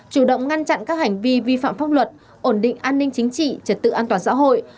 chủ động ngăn chặn các hành vi vi phạm pháp luật ổn định an ninh chính trị trật tự an toàn xã hội